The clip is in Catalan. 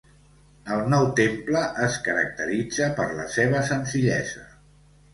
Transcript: El nou temple es caracteritza per la seva senzillesa.